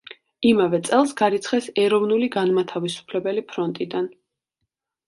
იმავე წელს გარიცხეს „ეროვნული განმათავისუფლებელი ფრონტიდან“.